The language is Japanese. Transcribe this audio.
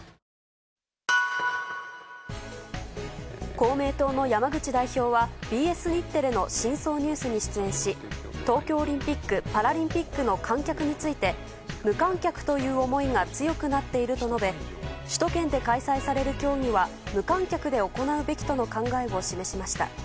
公明党の山口代表はＢＳ日テレの「深層ＮＥＷＳ」に出演し東京オリンピック・パラリンピックの観客について無観客という思いが強くなっていると述べ首都圏で開催される競技は無観客で行うべきとの考えを示しました。